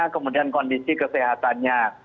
kemudian kondisi kesehatannya